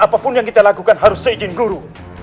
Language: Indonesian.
apapun yang kita lakukan harus seizin guru